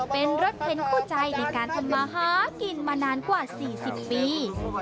เป็นรถเข็นคู่ใจในการทำมาหากินมานานกว่า๔๐ปี